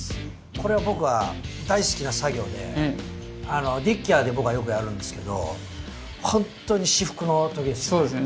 これは僕は大好きな作業でディッキアで僕はよくやるんですけどほんとに至福の時ですよね。